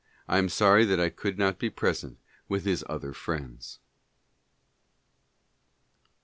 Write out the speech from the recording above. I am sorry that I could not be present wich his other friends. BURROUGHS.